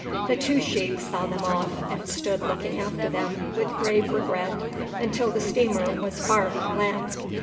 The two sheiks saw them off, and stood looking after them with grave regret until the steamer was far from land.